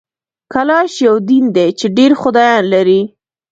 کلاش یو دین دی چي ډېر خدایان لري